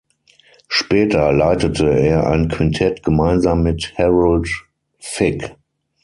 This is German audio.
Später leitete er ein Quintett gemeinsam mit Harold Vick.